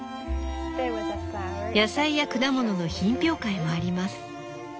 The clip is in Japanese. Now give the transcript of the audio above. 「野菜や果物の品評会もあります」。